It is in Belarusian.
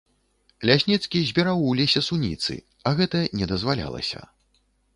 Лясніцкі збіраў у лесе суніцы, а гэта не дазвалялася.